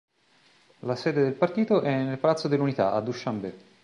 La sede del partito è nel Palazzo dell'Unità a Dušanbe.